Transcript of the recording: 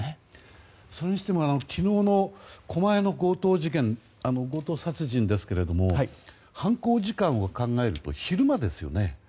それにしても、昨日の狛江の強盗殺人ですけれども犯行時間を考えると昼間ですよね。